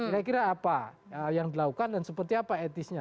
saya kira apa yang dilakukan dan seperti apa etisnya